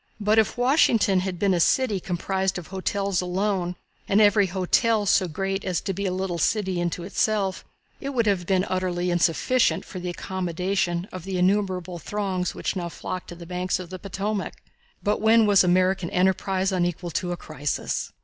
But if Washington had been a city composed of hotels alone, and every hotel so great as to be a little city in itself, it would have been utterly insufficient for the accommodation of the innumerable throngs which now flocked to the banks of the Potomac. But when was American enterprise unequal to a crisis?